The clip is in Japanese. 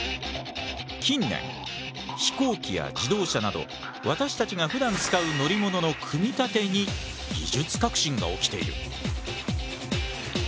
近年飛行機や自動車など私たちがふだん使う乗り物の組み立てに技術革新が起きている。